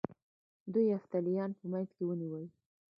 دوی یفتلیان په منځ کې ونیول